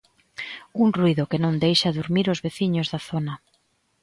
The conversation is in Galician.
Un ruído que non deixa durmir os veciños da zona.